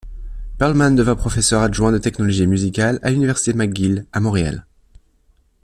Pearlman devient professeur adjoint de technologie musicale à l'université McGill à Montréal.